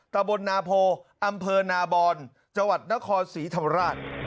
ตะบนนาโพอำเภอนาบอนจังหวัดนครศรีธรรมราช